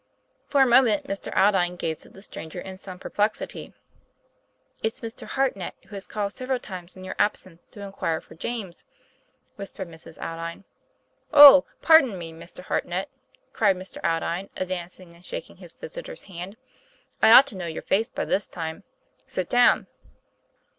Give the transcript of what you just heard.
For a moment Mr. Aldine gazed at the stranger in some perplexity. 'It's Mr. Hartnett, who has called several times in your absence to inquire for James," whispered Mrs. Aldine. ' Oh, pardon me, Mr. Hartnett," cried Mr. Aldine, advancing and shaking his visitor's hand. " I ought to know your face by this time. Sit down."